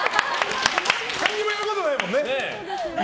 何もやることないもんね。